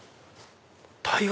台湾